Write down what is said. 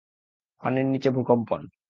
পানির নিচের ভূকম্পন।